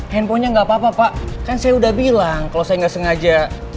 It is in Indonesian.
handphonenya nggak apa apa pak kan saya udah bilang kalau saya nggak sengaja